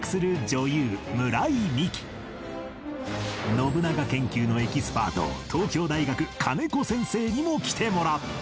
信長研究のエキスパート東京大学金子先生にも来てもらった